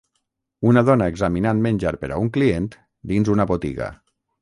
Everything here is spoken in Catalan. Una dona examinant menjar per a un client dins una botiga.